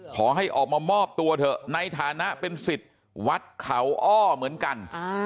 ขอให้ออกมามอบตัวเถอะในฐานะเป็นสิทธิ์วัดเขาอ้อเหมือนกัน